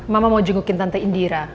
mama mau jengukin tante indira